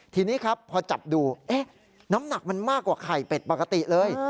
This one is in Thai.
ทีนี้ครับพอจับดูน้ำหนักมันมากกว่าไข่เป็ดปกติเลย